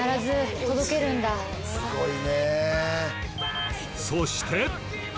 すごいね。